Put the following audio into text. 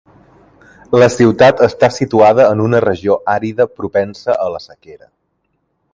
La ciutat està situada en una regió àrida propensa a la sequera.